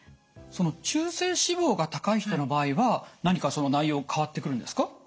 その中性脂肪が高い人の場合は何かその内容変わってくるんですか？